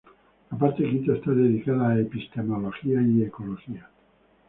La parte V está dedicada a "Epistemología y Ecología".